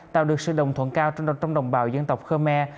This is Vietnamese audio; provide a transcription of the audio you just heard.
tạo được sự đồng thuận cao trong đồng bào dân tộc khmer